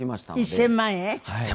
１０００万円。